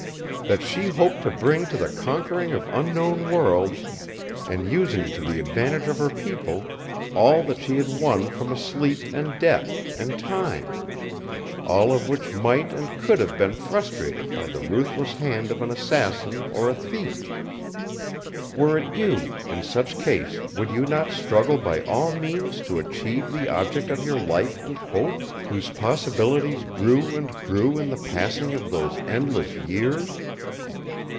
That she hoped to bring to the conquering of unknown worlds, and using to the advantage of her people, all that she had won from sleep and death and time; all of which might and could have been frustrated by the ruthless hand of an assassin or a thief. Were it you, in such case would you not struggle by all means to achieve the object of your life and hope; whose possibilities grew and grew in the passing of those endless years?